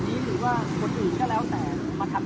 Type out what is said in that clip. ตอนนี้กำหนังไปคุยของผู้สาวว่ามีคนละตบ